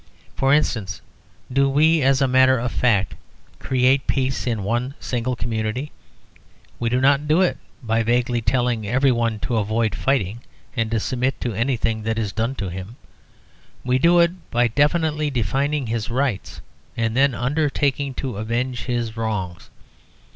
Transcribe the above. How, for instance, do we as a matter of fact create peace in one single community? We do not do it by vaguely telling every one to avoid fighting and to submit to anything that is done to him. We do it by definitely defining his rights and then undertaking to avenge his wrongs.